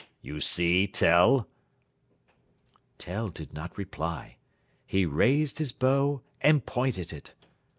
You see, Tell?" Tell did not reply. He raised his bow and pointed it.